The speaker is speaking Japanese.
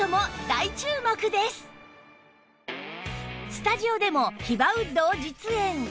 スタジオでもヒバウッドを実演